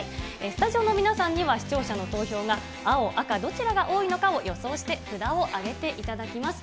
スタジオの皆さんには、視聴者の投票が青、赤どちらが多いのかを予想して札を上げていただきます。